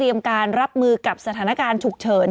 มีสารตั้งต้นเนี่ยคือยาเคเนี่ยใช่ไหมคะ